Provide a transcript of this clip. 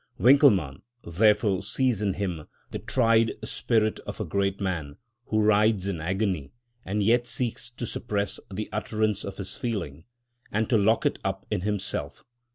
Winckelmann therefore sees in him "the tried spirit of a great man, who writhes in agony, and yet seeks to suppress the utterance of his feeling, and to lock it up in himself.